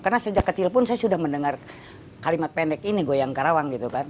karena sejak kecil pun saya sudah mendengar kalimat pendek ini goyang karawang